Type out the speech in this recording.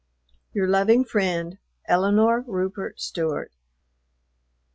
Your loving friend, ELINORE RUPERT STEWART.